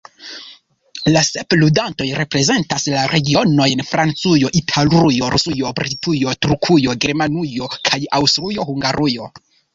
La sep ludantoj reprezentas la regnojn Francujo, Italujo, Rusujo, Britujo, Turkujo, Germanujo kaj Aŭstrujo-Hungarujo.